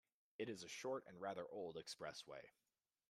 It is a short and rather old expressway.